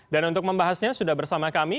dan untuk membahasnya sudah bersama kami